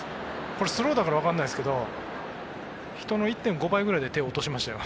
これ、スローだからわからないですけど人の１．５倍くらいで手を落としましたよ。